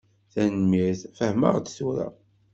Tanemmirt, fehmeɣ-d tura.